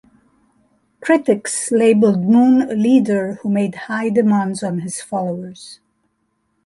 Critics labeled Moon a leader who made high demands on his followers.